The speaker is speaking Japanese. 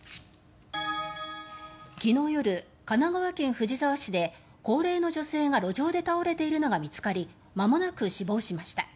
昨日夜、神奈川県藤沢市で高齢の女性が路上で倒れているのが見つかりまもなく死亡しました。